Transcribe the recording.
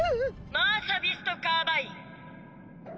マーサ・ビスト・カーバイン。